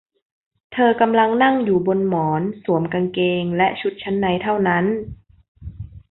เธอกำลังนั่งอยู่บนหมอนสวมกางเกงและชุดชั้นในเท่านั้น